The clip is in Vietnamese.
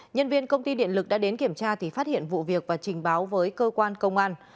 nhân viên công ty điện lực đã đến kiểm tra thì phát hiện vụ việc và trình báo với cơ quan công an